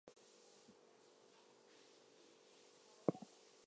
The adaptation was by George Bart and was directed by Marc Daniels.